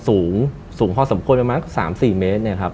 สูงสูงพอสมควรประมาณ๓๔เมตรเนี่ยครับ